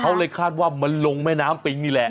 เขาเลยคาดว่ามันลงแม่น้ำปิงนี่แหละ